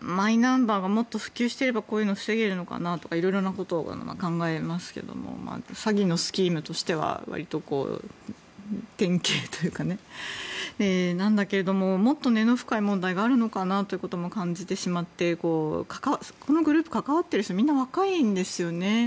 マイナンバーがもっと普及していればこういうのを防げるのかなとか色々なことを考えますけども詐欺のスキームとしてはわりと典型なんだけれどももっと根の深い問題があるのかなということも感じてしまってこのグループ、関わっている人みんな若いんですよね。